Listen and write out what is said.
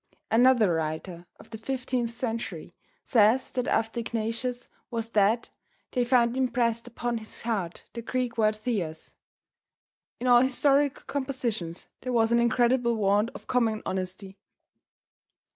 Another writer of the 15th century says that after Ignatius was dead they found impressed upon his heart the Greek word Theos. In all historical compositions there was an incredible want of common honesty.